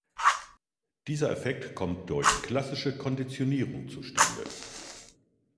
Dieser Effekt kommt durch klassische Konditionierung zustande.